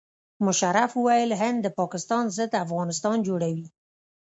مشرف وویل هند د پاکستان ضد افغانستان جوړوي.